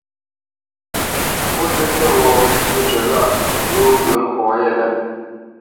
Pó tsə̂ tsə́ghō, mə́cywǐ ghâʼ pǔ gho ŋgyə̌ nkɔ̌ yêlê.